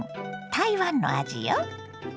台湾の味よ。